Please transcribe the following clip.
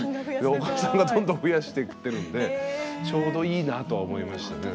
お子さんがどんどん増やしていってるんでちょうどいいなとは思いましたね。